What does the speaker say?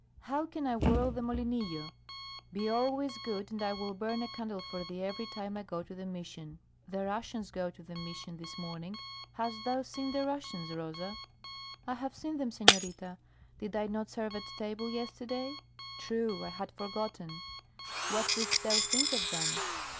How can I whirl the molinillo? Be always good and I will burn a candle for thee every time I go to the Mission. The Russians go to the Mission this morning. Hast thou seen the Russians, Rosa?" "I have seen them, senorita. Did I not serve at table yesterday?" "True; I had forgotten. What didst thou think of them?"